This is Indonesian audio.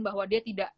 bahwa dia tidak